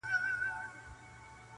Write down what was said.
شپه تپېږم تر سهاره لکه مار پر زړه وهلی-